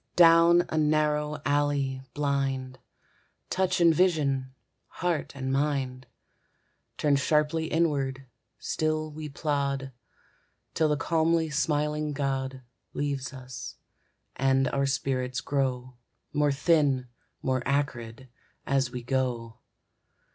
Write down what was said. Down a narrow alley, blind, Touch and vision, heart and mind; Turned sharply inward, still we plod, Till the calmly smiling god Leaves us, and our spirits grow More thin, more acrid, as we go.